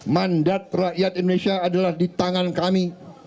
mandat rakyat indonesia adalah di tangan kami